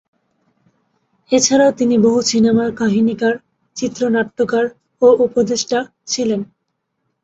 এছাড়াও তিনি বহু সিনেমার কাহিনীকার, চিত্রনাট্যকার ও উপদেষ্টা ছিলেন।